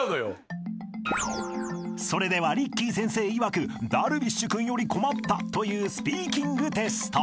［それではリッキー先生いわく樽美酒君より困ったというスピーキングテスト］